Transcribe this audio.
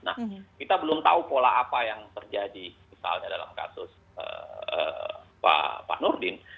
nah kita belum tahu pola apa yang terjadi misalnya dalam kasus pak nurdin